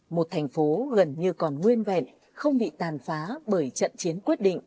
một thành phố gần như còn nguyên vẹn không bị tàn phá bởi trận chiến quyết định